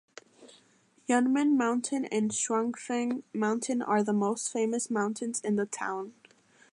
Yunmen Mountain and Shuangfeng Mountain are the most famous mountains in the town.